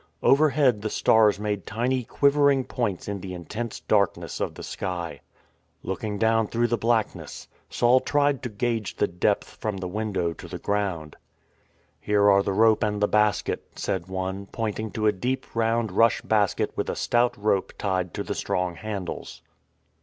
Overhead the stars made tiny quiver ing points in the intense darkness of the sky. Looking down through the blackness, Saul tried to gauge the depth from the window to the ground. " Here are the rope and the basket," said one, pointing to a deep round rush basket with a stout rope tied to the strong handles.